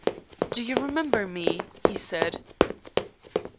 "Do you remember me?" he said.